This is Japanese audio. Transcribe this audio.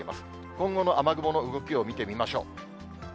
今後の雨雲の動きを見てみましょう。